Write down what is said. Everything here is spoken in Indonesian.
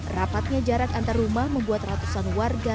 rapatnya jarak antar rumah membuat ratusan warga